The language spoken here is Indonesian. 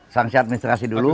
sanksi administrasi dulu